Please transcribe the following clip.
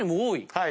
はい。